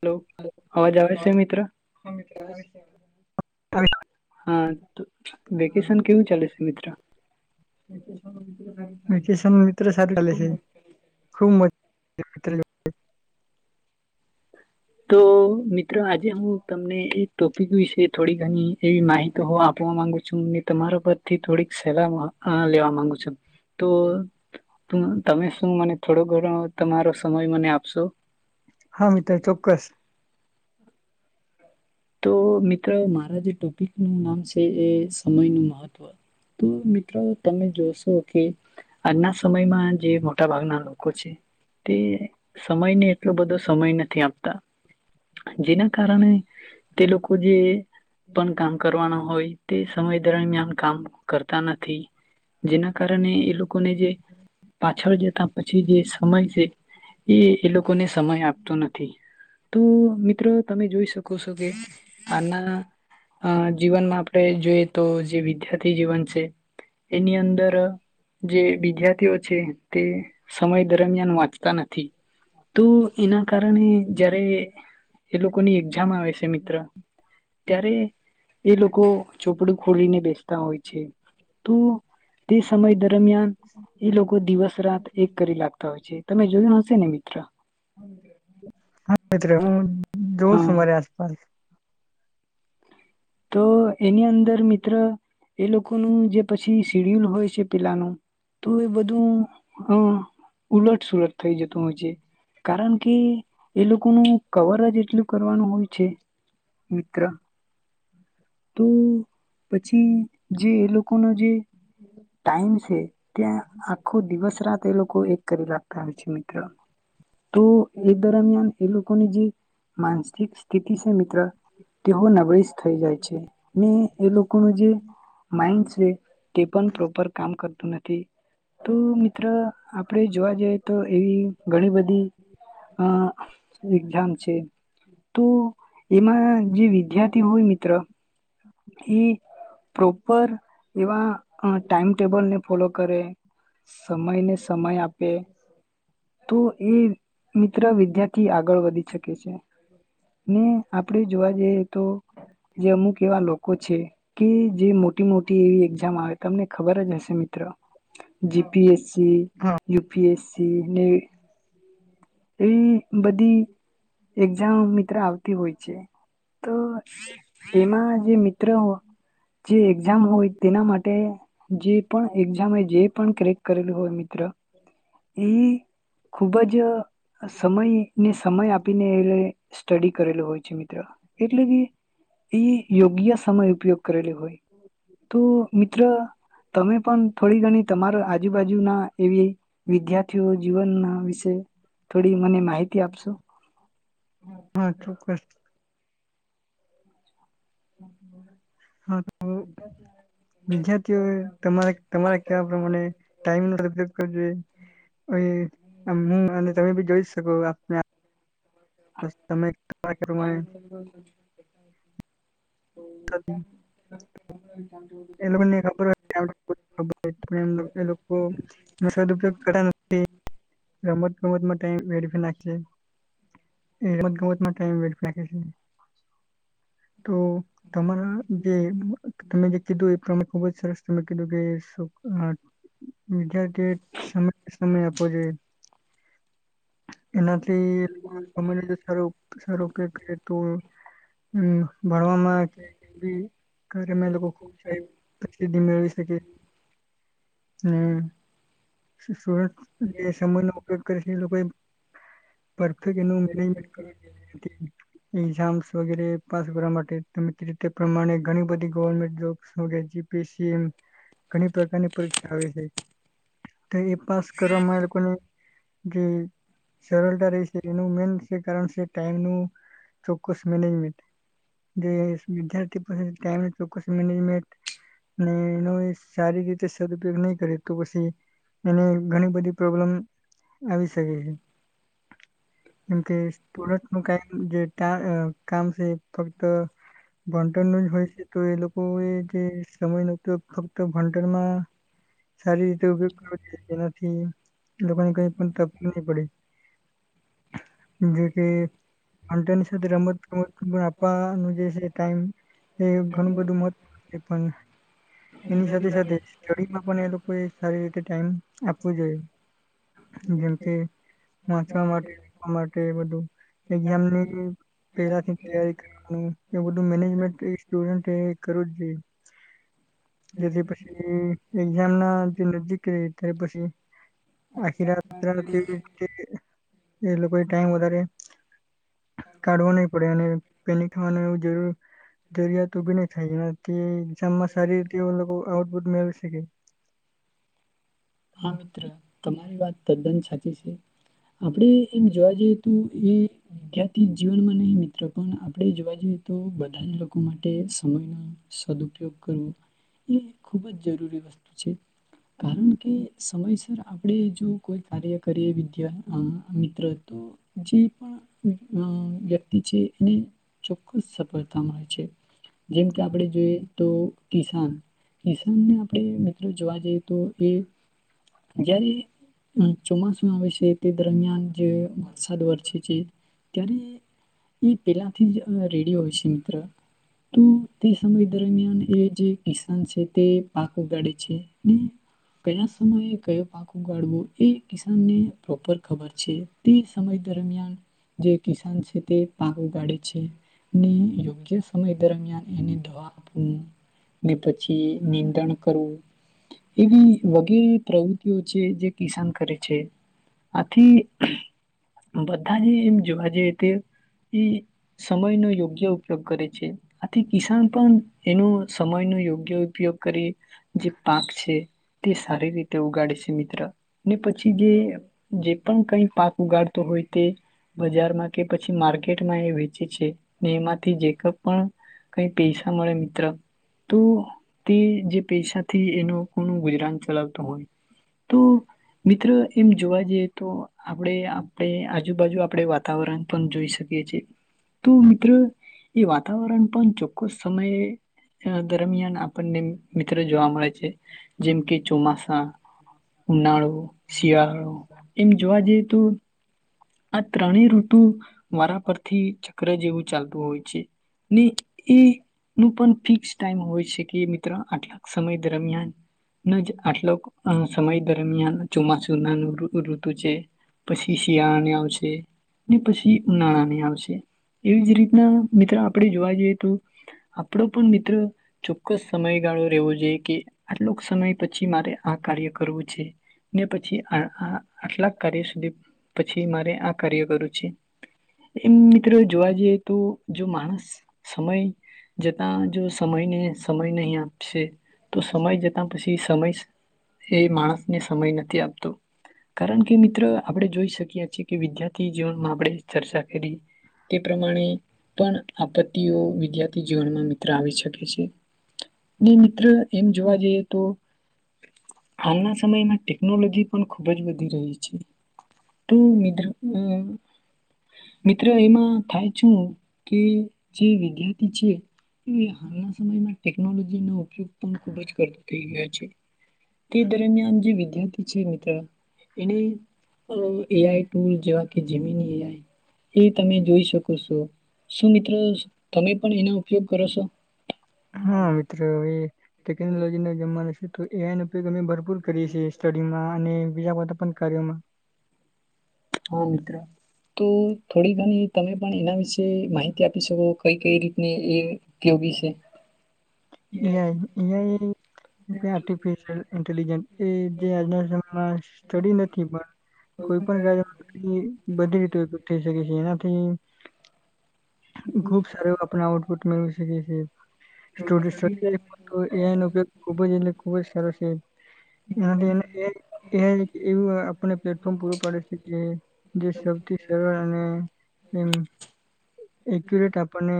Hello અવાજ આવે છે મિત્ર વેકેશન [inaudible] હા. તો વેકેશન કેવું ચાલે છે મિત્ર. એ તો સમ. વકેશન ન મિત્ર સારું ચાલે છે ખુબ મજા. [inaudible] તો મિત્રો આજે હું તમને એ ટોપિક વિશે થોડી ઘણી એવી માહિતી આપવા માંગુ છું ને તમારા પરથી થોડીક સલાહ લેવા માંગુ છું. તો તમે શું મને થોડો ઘણો તમારો સમય મને આપશો. હા મિત્ર તો. કસ. હમ. તો મિત્રો મારા જે ટોપિક નું નામ છે એ સમય નું મહત્વ તો મિત્રો તમે જોશો કે. આજના સમયમાં જે. મોટા ભાગના લોકો છે તે સમયને એટલો બધો સમય નથી આપતા જેના કારણે. તે લોકો જે પણ કામ કરવાના હોય તે સમય દરમિયાન કામ કરતા નથી જેના કારણે એ લોકોને જે પાછળ જતા પછી જે સમય છે એ એ લોકોને. સમય આપતો નથી. તો મિત્રો તમે જોઈ શકો છો કે. અના. અ જીવનમાં આપણે જોઈએ તો જે વિદ્યાર્થી જીવન છે. એની અંદર જે વિદ્યાર્થીઓ છે. તે સમય દરમિયાન વાંચતા નથી તો એના કારણે જ્યારે. એ લોકોની એક્ઝામ આવે છેમ. ત્યારે એ લોકો ચોપડું ખોલીને બેસતા હોય છે તો તે સમય દર. દરમિયાન એ લોકો દિવસ રાત એક કરી લાગતા હોય છે. તમે જોયું હશે ને મિત્ર. હા. એ હ [unintelligible] જોઉ હા સુમારે આસપાસ. તો એની અંદર મિત્ર એ લોકોનું જે પછી શિડ્યુલ હોય છે પેલાનું તો એ બધું અ ઉલટ સુલટ થઈ જતું હોય છે કારણ કે એ લોકોનું કવર જ એટલું કરવાનું હોય છે મિત્ર. તો પછી જે એ લોકોનો જે ટાઈમ છે. ત્યાં આખો દિવસ રાત એ લોકો એક કરી લાગતા હોય છે મિત્રો. તો એ દરમિયાન એ લોકોની જે માનસિક સ્થિતિ છે મિત્ર તે હ નબળી. થઈ જાય છે ને એ લોકોનું જે માઇન્ડ છે તે પણ પ્રોપર કામ કરતું નથી તો મિત્ર આપણે જોવા જઈ. તો એવી ઘણી બધી અ એક્ઝામ છે. તો એમાં જે વિદ્યાર. તે હુવે મિત્ર. એ પ્રોપર. એવા ટાઈમટેબલને ફોલો કરે સમયને સમય આપે તો એ મિત્ર વિદ્યાથી આગળ વધી શકે છે ને આપણે જોવા જઈએ તો જે અમુક એવા લોકો. છે કે જે મોટી મોટી એવી એક્ઝામ આવે તમને ખબર જ હશે મિત્રો જીપીએસ. હા યુપીએસસી. નેવી હમ [inaudible] એવી બધી એક્ઝામ. આવતી હોય છે તો. હમા. જે મિત્ર હો. જે એક્ઝામ હોય તેના માટે જે પણ એક્ઝામ જે પણ ક્રેક કરેલું હોય મિત્ર એ. ખુબ જ. સમયને સમય આપીને એ. સ્ટડી કરેલું હોય છે મિત્ર એટલે કે. એ યોગ્ય સમય ઉપયોગ કરેલો હોય તો મિત્ર. તમે પણ. થોડી ઘણી તમારા આજુબાજુના. એવી વિદ્યાર્થીઓ જીવનના. આ વિશે મને માહિતી આપશો? હા ચોક્કસ [unintelligible] હા, તો વિદ્યાર્થીઓ તમારે-તમારે કેવા પ્રમાણે ટાઈમ નો ઉપયોગ કરવુ જોઈએ અને [unintelligible] તમે બી જોઈશ. કો આપને આપ બસ તમે કહ્યા પ્રમાણે [inaudible] એ લોકોને ખબર હોય [inaudible] ખબર એ લોકો એનો સદપયોગ કરતા નથી. રમત-ગમતમાં ટાઇમ વેડફી નાખીએ- એ રમત ગમત ટાઈમ વેડફી નાખે છે. તો તમારા જે તમે જે કીધું એ તમને ખુબ જ સરસ તમે કીધું કે શું આ વિદ્યાર્થીઓ એ સમય-સમય આપવો જોઈએ. એનાથી તમારો સારો-સારો ઉપયોગ કરે તો ભણવાના કાર્ય માં એ લોકો [unintelligible] મેળવી શકે. હમ્મ, સુરત જે એમાં [unintelligible] ઉપયોગ કરે છે એ લોકોએ પરફેક્ટ એનું એટલે એક્ઝામ્સ વગેરે પાસ કરવા માટે એ પ્રમાણે ઘણી બધી ગવર્મેન્ટ જોબ્સ અને એજ્યુકેશનસ ઘણી પ્રકારની પરીક્ષા આવે છે ટાઇમ પાસ કરવા માટે લોકોને જે સરળતા રહી છે એનું મેન જે કારણ છે ટાઈમનું ચોક્કસ મેનેજમેન્ટ જે વિદ્યાર્થી પાસે ટાઇમ તો ચોક્કસ મેનેજમેન્ટ એને એનો એ સારી રીતે સદપયોગ નહી કરે તો પછી એને ઘણી બધી પ્રોબ્લેમ આવી શકે છે. કેમ કે તુરત નો કંઇક જે કામ છે ફક્ત ભણતરનું જ હોય છે તો એ લોકો એ જે સમય ન ફક્ત ભણતરમાં સારી રીતે ઉપયોગ કર્યો જેનાથી લોકોની કઈ પણ તકલીફ ન પડે જોકે [unintelligible] રમતગમતનુ પણ આપવાનું જે ટાઈમ એ ઘણું બધું મહત્વ નું છે પણ એની સાથે સાથે સ્ટડીમાં પણ એ લોકોએ સારી રીતે ટાઈમ આપવો જોઈએ. જેમ કે વાચવા માટે-માટે એ બધું એક્ઝામ ની પેલાથી તૈયારી કરવા એ બધું મેનેજમેન્ટ એ સ્ટુડન્ટ એ કરવું જોઈએ. જેથી પછી એક્ઝામના દિન નજદીક રહેત્યારે પછી આખી રાત્ર [unintelligible] એ લોકો એ ટાઈમ વધારે કાઢવો નહી પડે અને પેલી ખાનું એવું જરૂર જરિયાત ઉભી નહી થાય એનાથી એક્ઝામમાં સારી રીતે એ લોકો આઉટપુટ મેળવી શેકે. હા મિત્ર. તમારી વાત તદ્દન સાચી છે આપણે એમ જોવા જઈએ તો એ જજ્ઞાતિ જીવનમાં નહીં મિત્ર પણ આપણે જોવા જઈએ તો બધા જ લોકો માટે સમયનો સદઉપયોગ કરવો એ ખૂબ જ જરૂરી વસ્તુ છે કારણ કે સમયસર આપણે જો કોઈ કાર્ય કરીએ વીદ્યા અ મિત્ર તો જે પણ અં અ [unintelligible] હોય છે. જેમ કે આપણે જોઈએ તો કિસાન. કિસાનને આપણે મિત્ર જોવા જએ તો જયારે અં ચોમાસું આવે છે. તે દરમિયાન જે વરસાદ વરછે છે. ત્યારે એ પેલાથી જ અ રેડિ હોય છે મિત્ર. તો, તે સમય દરમિયાન એ જે કિસાન છે તે પાક ઉગાડે છે ને કયસ સમયે કયો પાક ઉગાળવો એ કિસાનને પ્રોપર ખબર છે. તે સમય દરમિયાન જે કિસાન છે તે પાક ઉગાડે છે ને યોગ્ય સમય દરમિયાન એને દવા હમ્મ ને પછી નીંદણ કરવું. એવી વગેરે પ્રવૃત્તિઓ છે, જે કિસાન કરે છે. આથી બધા જે એમ જોવા જઈએ તે એ સમયનો યોગ્ય ઉપયોગ કરે છે. આથી કિસાન પણ એનો સમયનો યોગ્ય ઉપયોગ કરી, જે પાક છે તે સારી રીતે ઉગાડે છે મિત્ર. ને પછી જે જે પણ કઈ પાક ઉગાડતો હોય તે બજારમાં કે પછી માર્કેટમાં એ વેચે છે, ને એમાંથી જે કઈ પણ કઈ પૈસા મળે મિત્ર તો તે જે પૈસા થી એનો કોણ ગુજ [inaudible] ચલાવતો હોય તો. મિત્ર એમ જોવા જઈએ તો. આપણે આપણે આજુબાજુ આપણે વાતાવરણ પણ જોઈ શકીએ છીએ. તો મિત્ર એ વાત તાવરણ. પણ ચોક્કસ સમય દરમિયાન આપણને મિત્રો જોવા મળે છે. જેમકી ચોમાસા, ઉનાળો, શિયાળો એમ જોવા જઈ તો આ ત્રણેય ઋતુ, વારા પરથી ચક્ર જેવું ચાલતું હોય છે, ને એ નુ પણ ફિક્સ ટાઈમ હોય છે કે મિત્ર આટલાક સમય દરમિયાન ન જ આટલો સમય દરમિયાન ચોમાસું નાનું ઋતુ છે. પછી શિયાણય ને પછી ઉનાળાનીને આવશે એવી જ રીતના મિત્રો આપણે જોવા જઈએ તો આપડો પણ મિત્ર ચોક્કસ સમયગાળો રહેવો જોઈએ કે આટલોક સમય પછી મારે આ કાર્ય કરવું. છે. ને પછી આટલાક કાર્ય સુધી પછી મારે કાર્ય કરુ છે. એમ મિત્રો જોવા જઈએ તો જો માણસ સમય જતા, જો સમયને સમય નહં છે. તો સમય જતા પછી સમય એ માણસને સમય નથી આપતો, કારણ કે મિત્ર આપડણે જોઈ શકીએ છીએ કે વિદ્યાર્થી જીવનમાં આપણે ચર્ચા કરી તે પ્રમાણે પણ આપત્તિઓ વિદ્યાર્થી જીવનમાં મિત્ર આવી શકે છે. ને મિત્ર એમ જોવા જઈએ તો હાલના સમયમાં ટેકનોલોજી પણ ખુબ જ વધી રહી છે, તો અમ મિત્રો એમાં થાય છું કે જે વિદ્યાર્થી છે એ હાલના સમય માટે ટેકનોલોજીનો ઉપયોગ પણ ખુબ જ કરતો થઈ ગયા છે. તે દરમિયાન જે વિદ્યાર્થી છે ને તો. એને એ આઈ કેવાકી જીમી ન જાય એ તમે જોઈ શકો છો, શું મિત્રો તમે પણ એનો ઉપયોગ કરો છો? ટેકનોલોજી ના જમન છે તો એનપી કમે ભર કરીએ છએ સ્ટડી માં અને બીજા બધા પણ કર્યોમાં. હા મિત્ર તો થોડી ઘણી તમે પણ એના વિશે માહિતી આપી શકો કઈ કઈ રીતની એ ઉપયોગી છે. એઆઈ એઆઈ આર્ટિફિશ્યિલ ઇન્ટલ્લીગેન્ટ એ જે આજના સમયમાં સ્ટડી નથી પણ કોઈ પણ કાર્ય બધી રીતે ઉપયોગ થઈ શકે છે એનાથી ખુબ સારા આપને આઉટપુટ મેળવી શકે. [unintelligible] એ ઈ ઉપયોગ ખુબ એટલે ખુબ જ સારો છે એનાથી એવું એ ઈ આપને પ્લેટફોર્મ પૂરું પાડે છે કે જે સૌથી સરળ અને એક્યુરેટ આપણને.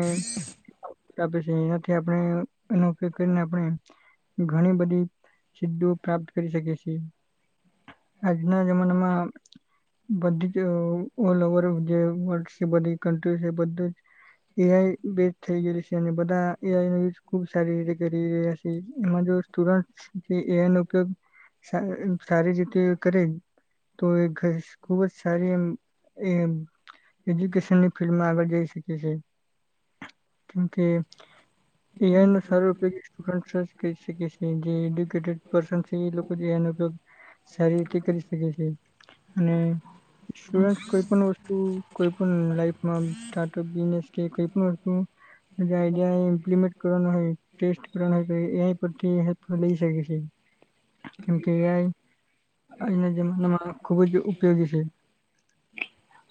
આપે છે એના થી આપ ને એનો ઉપયોગ કરીને આપણે ઘણી બધી સિ્ધો પ્રાપ્ત કરી શકીએ છીએ. આજના જમાના મા બધી જ ઓલ ઓવર જે વર્લ્ડ છે બધી કન્ટ્રી છે બધી જ એ આઈ બેટ થઈ ગયલી છે અને બધા- - એ આઈ નો યુઝ ખુબ સારી રીતે કરી [unintelligible] છે એમાં જો સ્ટુડન્ટ એ આઈ નો ઉપયોગ સા સારી રીતે કરે તો એ ખુબ જ સારી એમ. એ એજ્યુકેશનની ફિલ્ડમાં આગળ જઈ શકી છે, કેમ કે. એ સાર્ટુડ કહી શકે છે જે એડ્યુકેટેડ પ. [unintelligible] એ લોકો એનો ઉપયોગ સારી રીતે કરી શકે છે, અને. શર કઈ પણ વસ્તુ કોઈ પણ લાઈફમાં સ્ટાર્ટઅપ બિનેસ કે કોઈ પણ વસ્તુ આઈડિયા મ્પ્લીમેન્ટ. કરવાયટે કરવાય એથી. [unintelligible] છેી [unintelligible] કેમ કે એ આઈ જમાનામાં ખુબ જ ઉપયોગી છે.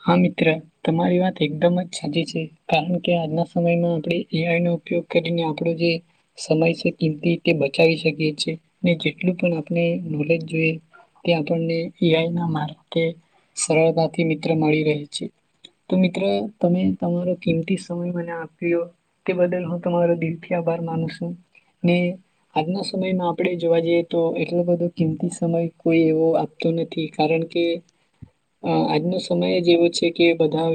હા મિત્ર તમારી વાત એકદમ જ સાચી છે, કારણ કે આજના સમયમાં આપણે એ આઈ નો ઉપયોગ કરીને આપણું જે સમય છે કિમતી તે બચાવી શકીએ છીએ, ને જેટલું પણ આપણે નોલેજ જોઈએ તે આપણને એ આઈ ના માર સરળતાથી મિત્ર માહિતી મળી રહે છે, તો મિત્ર તમે તમારો કિંમતી સમય તે બદ હું તમારો દિલથી આભાર માનું છું ને આજના સમયમાં આપે જોવા જઈએ તો એટલો બધો કિંમતી સમય. કોઈ એવો આપતો નથી કારણ કે અને. [unintelligible] સમય જેવો છે કે બધા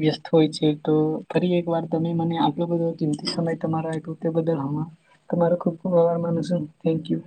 વ્યસ્ત હોય છે તો ફરી એક વાર તમે મને આગલો બધો કેમ સમય તમારા આવ્યો તે બદલ હ, તમારો ખુબ ખુબ આભાર માનો છું, થેન્ક યુ.